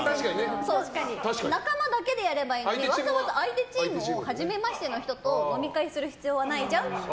仲間だけでやればいいのにわざわざ相手チームの初めましての人と、飲み会をする必要はないじゃんって。